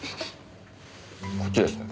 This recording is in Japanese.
こっちですね。